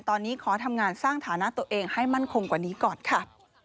ตอนนี้ขอทำงานสร้างฐานะตัวเองให้มั่นคงกว่านี้ก่อนค่ะ